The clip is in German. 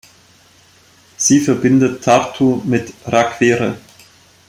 Sie verbindet Tartu mit Rakvere.